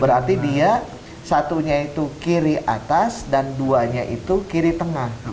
berarti dia satunya itu kiri atas dan duanya itu kiri tengah